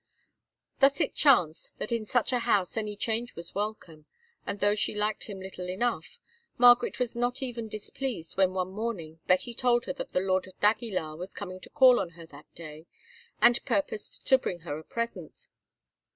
Thus it chanced that in such a house any change was welcome, and, though she liked him little enough, Margaret was not even displeased when one morning Betty told her that the lord d'Aguilar was coming to call on her that day, and purposed to bring her a present.